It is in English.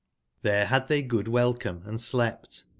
Tlhere had they good welcome, and slept.